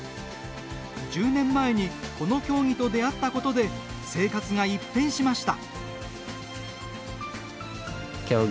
１０年前にこの競技と出会ったことで生活が一変しました。